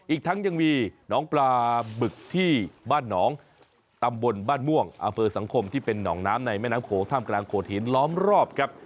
อีกทั้งยังมีหนองปลาบึกที่บ้านหนองตำบลบ้านม่วงอำเภอสังคมที่เป็นหนองน้ำในแม่น้ำโขงท่ามกลางโขดหินล้อมรอบครับ